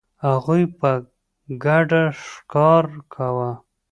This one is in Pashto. هغوی په ګډه ښکار کاوه.